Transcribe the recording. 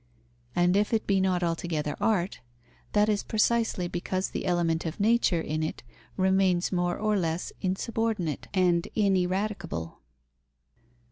And if it be not altogether art, that is precisely because the element of nature in it remains more or less insubordinate and ineradicable.